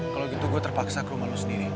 kalau gitu gue terpaksa ke rumah lo sendiri